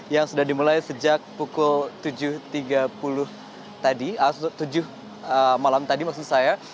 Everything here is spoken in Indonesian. yang sudah dimulai sejak pukul tujuh tiga puluh tadi tujuh malam tadi maksud saya